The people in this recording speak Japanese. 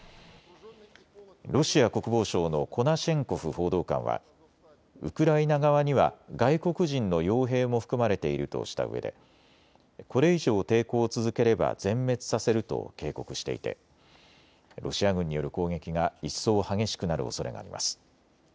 ロシア国防省のコナシェンコフ報道官はウクライナ側には外国人のよう兵も含まれているとしたうえでこれ以上、抵抗を続ければ全滅させると警告していてロシア軍による攻撃が一層激しくなるおそれがあります。